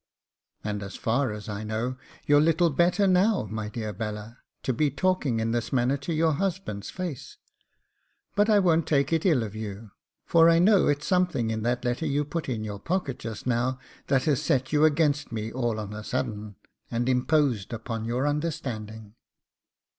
'And as far as I know, you're little better now, my dear Bella, to be talking in this manner to your husband's face; but I won't take it ill of you, for I know it's something in that letter you put into your pocket just now that has set you against me all on a sudden, and imposed upon your understanding.